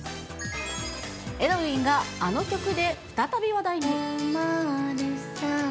エドウィンがあの曲で再び話題に。